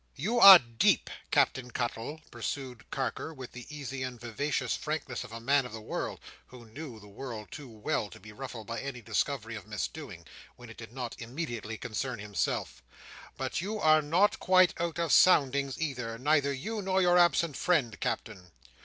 "You are deep, Captain Cuttle," pursued Carker, with the easy and vivacious frankness of a man of the world who knew the world too well to be ruffled by any discovery of misdoing, when it did not immediately concern himself, "but you are not quite out of soundings, either—neither you nor your absent friend, Captain.